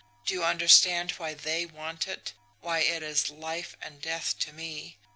Do you understand why THEY want it why it is life and death to me?